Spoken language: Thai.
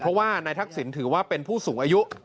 เพราะว่านายทักษิณถือว่าเป็นผู้สูงอายุ